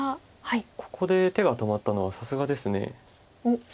ここで手が止まったのはさすがです。